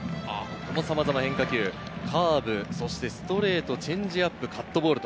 さまざまな変化球、カーブ、ストレート、チェンジアップ、カットボール。